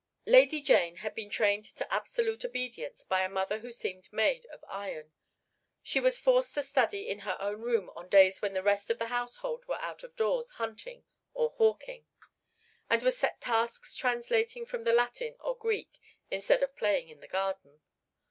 The Lady Jane had been trained to absolute obedience by a mother who seemed made of iron. She was forced to study in her own room on days when the rest of the household were out of doors hunting or hawking, and was set tasks translating from the Latin or Greek instead of playing in the garden.